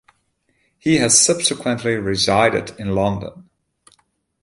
He has subsequently resided in London.